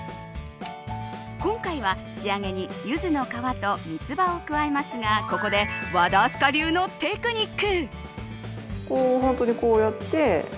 今回は、仕上げにユズの皮とミツバを加えますがここで和田明日香流のテクニック。